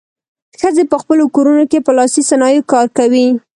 ښځې په خپلو کورونو کې په لاسي صنایعو کار کوي.